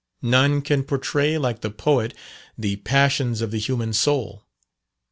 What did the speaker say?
None can portray like the poet the passions of the human soul.